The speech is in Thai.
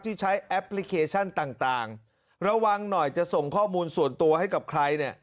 ใช้แอปพลิเคชันต่างระวังหน่อยจะส่งข้อมูลส่วนตัวให้กับใครเนี่ย